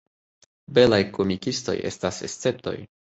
Belaj komikistoj estas esceptoj.